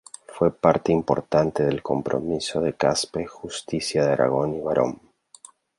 Fue parte importante del Compromiso de Caspe, Justicia de Aragón y barón.